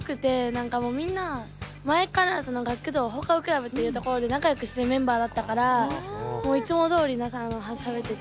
何かもうみんな前から学童放課後クラブっていうところで仲よくしてるメンバーだったからいつもどおり仲よくしゃべってて。